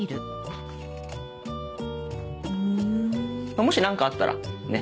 もし何かあったらねっ。